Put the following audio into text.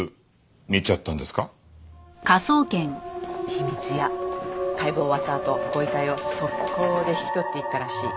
秘密屋解剖終わったあとご遺体を即行で引き取っていったらしい。